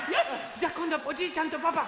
じゃあこんどはおじいちゃんとパパ！